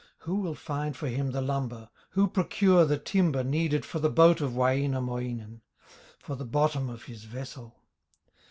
Who will find for him the lumber, Who procure the timber needed For the boat of Wainamoinen, For the bottom of his vessel?